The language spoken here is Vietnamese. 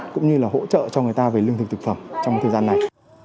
cũng như là hỗ trợ cho người ta về lương thực thực phẩm trong thời gian này